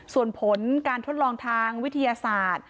ส่วนผลการทดลองทางวิทยาศาสตร์